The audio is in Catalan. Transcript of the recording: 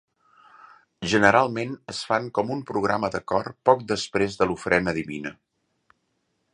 Generalment es fan com un programa de cor poc després de l'ofrena divina.